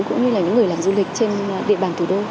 cũng như là những người làm du lịch trên địa bàn thủ đô